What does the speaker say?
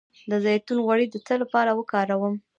د زیتون غوړي د څه لپاره وکاروم؟